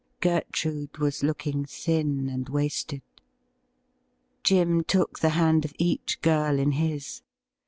Gertrude was looking thin and wasted. Jim took the hand of each girl in his.